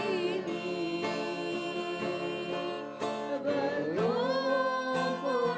jika kau bertemu aku begini